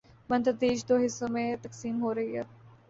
، بتدریج دو حصوں میں تقسیم ہورہی ہی۔